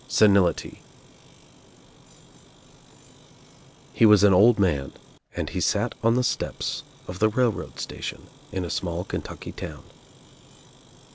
SENILITY T_T E WAS an old man and he sat on the steps of the railroad station in a small Kentucky town.